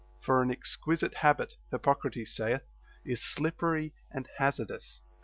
For an exquisite habit, Hippocrates saith, is slippery and hazardous.